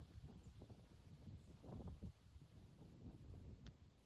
Men ham siz kabi bu yilgi saylov jarayonining passiv ishtirokchisiman